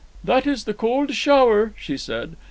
"That is the cold shower," she said.